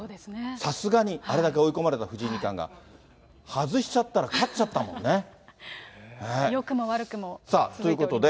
さすがに、あれだけ追い込まれた藤井二冠が外しちゃったら、よくも悪くもということです。